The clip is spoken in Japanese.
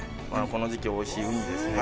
この時期おいしいウニですね。